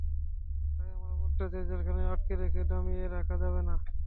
তাই আমরা বলতে চাই, জেলখানায় আটকে রেখে দমিয়ে রাখা যাবে না।